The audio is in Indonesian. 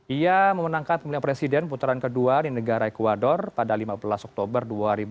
ia memenangkan pemilihan presiden putaran kedua di negara ecuador pada lima belas oktober dua ribu dua puluh